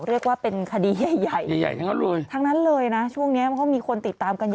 เรียกว่าเป็นคดีใหญ่ใหญ่ใหญ่ทั้งนั้นเลยทั้งนั้นเลยนะช่วงเนี้ยมันก็มีคนติดตามกันอยู่